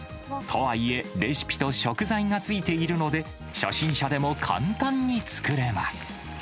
とはいえ、レシピと食材が付いているので、初心者でも簡単に作れます。